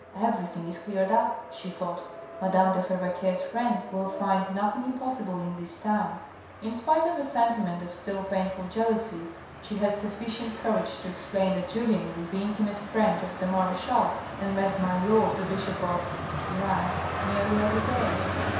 " Everything is cleared up," she thought. " Madame de Fervaques' friend will find nothing impossible in this town." In spite of a sentiment of still painful jealousy she had suffici ent courage to explain that Julien was the intimate friend of the marechale, and met my lord the bishop of nearly every day.